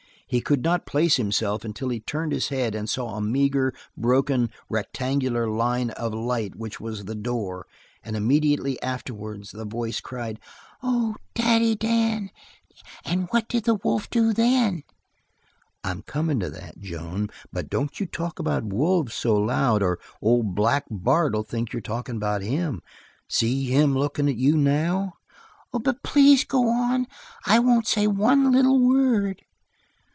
He could not place himself until he turned his head and saw a meager, broken, rectangular line of light which was the door, and immediately afterwards the voice cried: "Oh, Daddy Dan! And what did the wolf do then?" "I'm comin' to that, Joan, but don't you talk about wolves so loud or old Black Bart'll think you're talkin' about him. See him lookin' at you now?" "But please go on. I won't say one little word."